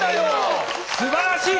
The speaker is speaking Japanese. すばらしい。